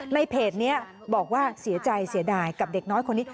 เพจนี้บอกว่าเสียใจเสียดายกับเด็กน้อยคนนี้